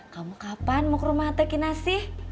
kamu kapan mau ke rumah atta kinasi